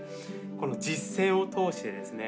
この実践を通してですね